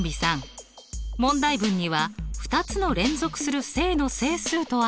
問題文には「２つの連続する正の整数」とありますが。